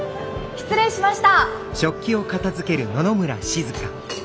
失礼しました！